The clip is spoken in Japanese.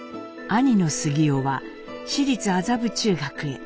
兄の杉男は私立麻布中学へ。